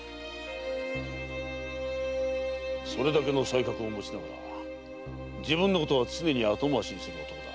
それだけの才覚を持ちながら常に自分のことは後回しにする男だ。